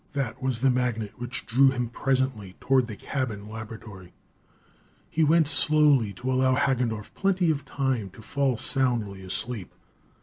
That was the magnet which drew him presently toward the cabin laboratory. He went slowly, to allow Hagendorff plenty of time to fall soundly asleep.